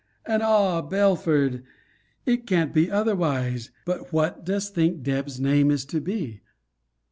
And Ah, Belford! It can't be otherwise. But what dost think Deb's name is to be?